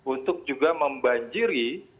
untuk juga membayar